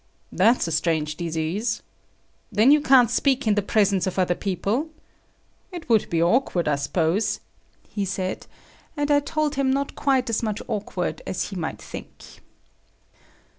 "That's a strange disease. Then you can't speak in the presence of other people? It would be awkward, I suppose," he said, and I told him not quite as much awkward as he might think.